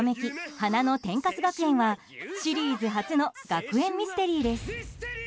花の天カス学園」はシリーズ初の学園ミステリーです。